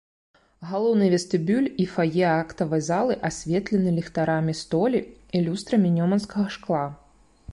Галоўны вестыбюль і фае актавай залы асветлены ліхтарамі столі і люстрамі нёманскага шкла.